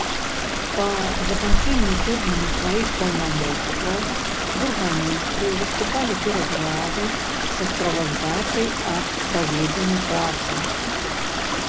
Па заканчэнні тэрміну сваіх паўнамоцтваў, бургамістры выступалі перад радай са справаздачай аб праведзенай працы.